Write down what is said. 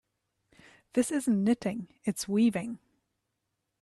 This isn't knitting, its weaving.